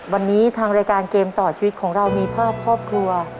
วันนี้ทางรายการเกมต่อชีวิตของเรามีภาพครอบครัว